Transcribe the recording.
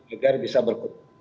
agar bisa berkutip